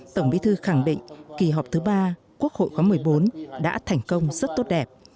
tổng bí thư khẳng định kỳ họp thứ ba quốc hội khóa một mươi bốn đã thành công rất tốt đẹp